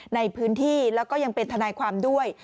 ในพื้นที่แล้วก็ยังเป็นทนายความด้วย